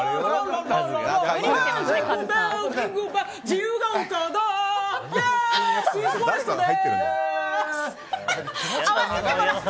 自由が丘だ！